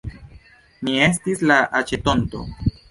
Mi estis la aĉetonto.